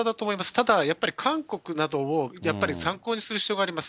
ただやっぱり、韓国などをやっぱり、参考にする必要があります。